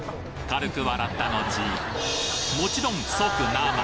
軽く笑ったのちもちろん即生。